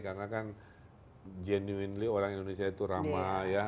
karena kan genuinely orang indonesia itu ramah ya